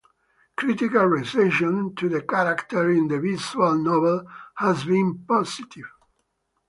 Critical reception to the character in the visual novel has been positive.